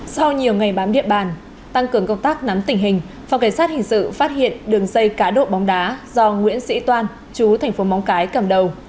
sau nhiều ngày bám điện bàn tăng cường công tác nắm tình hình phòng cảnh sát hình sự phát hiện đường dây cá độ bóng đá do nguyễn sĩ toan chú thành phố móng cái cầm đầu